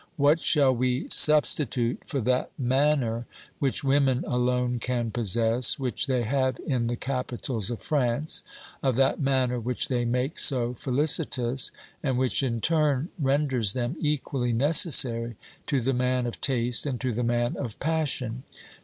What shall we substi OBERMANN 379 tute for that manner which women alone can possess^ which they have in the capitals of France, of that manner which they make so felicitous, and which in turn renders them equally necessary to the man of taste and to the man of passion